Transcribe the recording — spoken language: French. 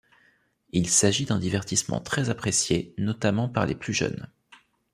Il s'agit d'un divertissement très apprécié, notamment par les plus jeunes.